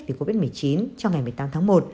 từ covid một mươi chín trong ngày một mươi tám tháng một